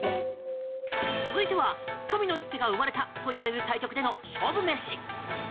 続いては、神の一手が生まれたといわれる対局での勝負飯。